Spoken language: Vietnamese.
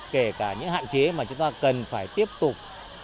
kể cả những hạn chế mà chúng ta cần phải tiếp tục